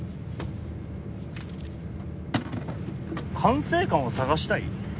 管制官を探したい？